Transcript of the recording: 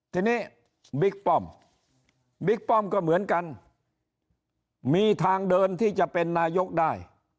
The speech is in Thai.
ทีนี้บิ๊กป้อมบิ๊กป้อมก็เหมือนกันมีทางเดินที่จะเป็นนายกได้